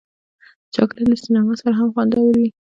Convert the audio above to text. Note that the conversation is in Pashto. چاکلېټ له سینما سره هم خوندور وي.